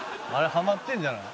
ハマってるんじゃない？」